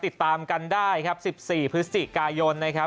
ติดตามกันได้๑๔พฤศจิกายน